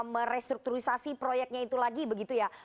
merestrukturisasi proyeknya itu lagi begitu ya